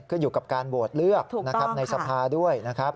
ก็อยู่กับการโหวตเลือกนะครับในสภาด้วยนะครับ